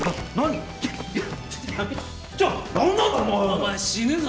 お前死ぬぞ。